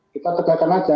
kita pegangkan saja